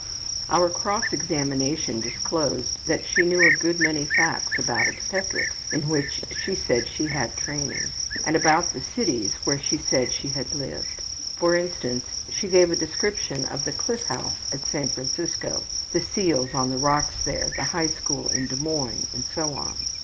Our cross examination disclosed that she knew a good many facts about obstetrics, in which she said she had had training, and about the cities where she said she had lived. For instance, she gave a description of the Cliff House at San Francisco, the seals on the rocks there, the high school in Des Moines, and so on.